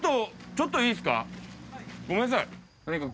ちょっといいですか？